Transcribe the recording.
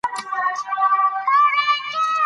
پوهان باید د ټولنې لارښوونه وکړي.